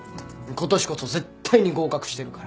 今年こそ絶対に合格してるから。